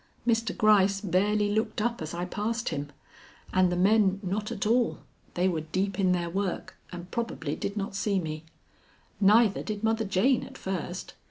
Mr. Gryce barely looked up as I passed him, and the men not at all. They were deep in their work, and probably did not see me. Neither did Mother Jane at first.